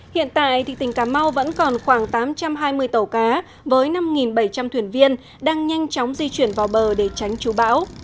hiện tại tỉnh cà mau vẫn còn khoảng tám trăm hai mươi tàu cá với năm bảy trăm linh thuyền viên đang nhanh chóng di chuyển vào bờ để tránh chú bão